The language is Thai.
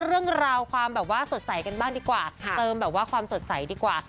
เรื่องราวความสดใสกันบ้างดีกว่าเติมความสดใสดีกว่า